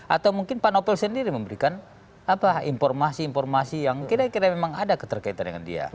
atau mungkin pak novel sendiri memberikan informasi informasi yang kira kira memang ada keterkaitan dengan dia